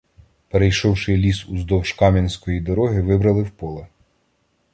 Перейшовши ліс уздовж кам'янської дороги, вибрели в поле.